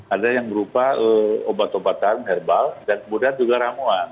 ada yang berupa obat obatan herbal dan kemudian juga ramuan